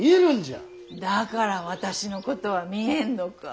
だから私のことは見えんのか。